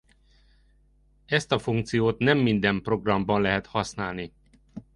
Ezt a funkciót nem minden programban lehet használni.